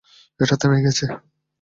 এটা থেমে গেছে।